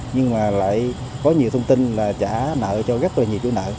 nhưng mà lại có nhiều thông tin là trả nợ cho rất là nhiều chủ nợ